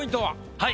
はい。